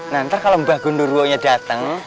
nanti kalo mbak gundurwonya dateng